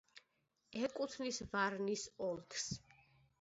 ეკუთნის ვარნის ოლქს.